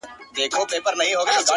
o خدايه دا ټـپه مي په وجود كـي ده؛